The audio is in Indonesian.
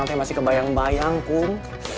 nanti masih kebayang bayang kum